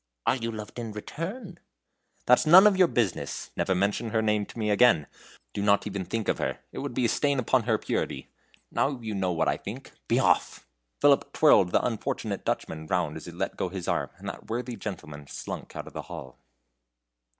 "And are loved in return?" "That's none of your business. Never mention her name to me again. Do not even think of her; it would be a stain upon her purity. Now you know what I think. Be off!" Philip twirled the unfortunate Dutchman round as he let go his arm, and that worthy gentleman slunk out of the hall.